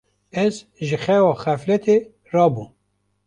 Ez ji xewa xefletê rabûm.